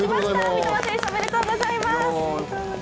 三笘選手、おめでとうございます。